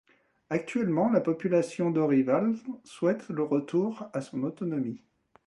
Actuellement, la population d'Orival souhaite le retour à son autonomie.